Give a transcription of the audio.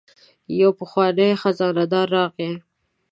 یو پخوانی خزانه دار راغی.